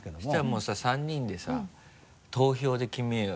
もう３人でさ投票で決めようよ。